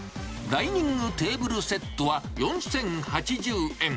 ダイニングテーブルセットは４０８０円。